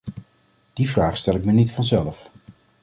Die vraag stel ik me niet vanzelf.